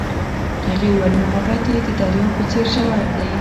هغې وویل محبت یې د دریاب په څېر ژور دی.